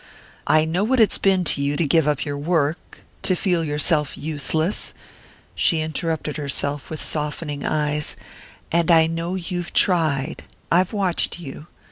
I know what it's been to you to give up your work to feel yourself useless," she interrupted herself, with softening eyes, "and I know how you've tried...I've watched you...